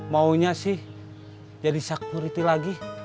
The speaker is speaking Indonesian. maunya sih jadi security lagi